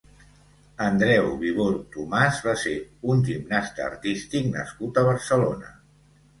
Andreu Vivó Tomàs va ser un gimnasta artístic nascut a Barcelona.